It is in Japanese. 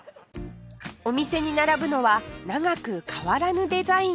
お店に並ぶのは長く変わらぬデザインの商品